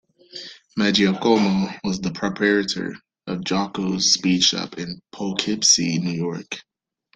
Maggiacomo was the proprietor of Jocko's Speed Shop in Poughkeepsie, New York.